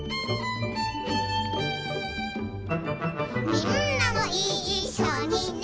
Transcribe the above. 「みんなもいっしょにね」